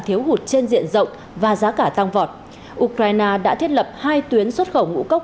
thiếu hụt trên diện rộng và giá cả tăng vọt ukraine đã thiết lập hai tuyến xuất khẩu ngũ cốc